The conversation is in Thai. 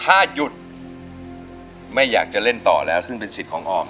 ถ้าหยุดไม่อยากจะเล่นต่อแล้วซึ่งเป็นสิทธิ์ของออม